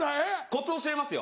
コツ教えますよ